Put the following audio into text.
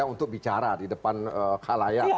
untuk bicara di depan halayak